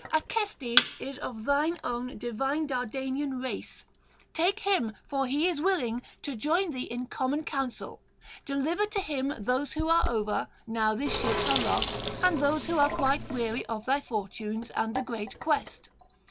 Acestes is of thine own divine Dardanian race; take him, for he is willing, to join thee in common counsel; deliver to him those who are over, now these ships are lost, and those who are quite weary of thy fortunes and the great quest.